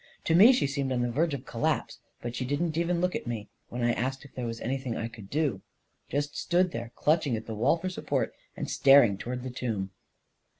To me she seemed on the verge of collapse — but she didn't even look at me when I asked her if there was any thing I could do — just stood there, clutching at the wall for support, and staring toward the tomb